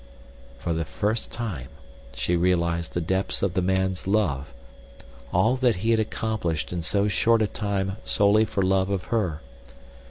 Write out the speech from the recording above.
For the first time she realized the depths of the man's love—all that he had accomplished in so short a time solely for love of her.